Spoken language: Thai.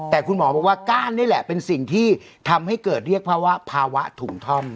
แต่คุณหมอบอกว่าก้านนี่แหละเป็นสิ่งที่ทำให้เกิดเรียกภาวะภาวะถุงท่อม